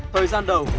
thời gian đầu